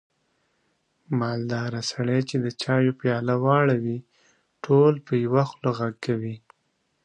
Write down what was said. مالداره سړی چې د چایو پیاله واړوي، ټول په یوه خوله غږ کړي.